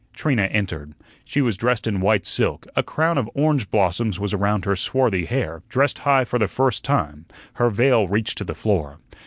Trina entered. She was dressed in white silk, a crown of orange blossoms was around her swarthy hair dressed high for the first time her veil reached to the floor.